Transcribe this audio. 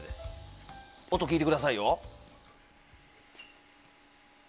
音、聴いてくださいよ。